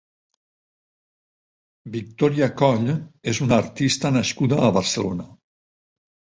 Victòria Coll és una artista nascuda a Barcelona.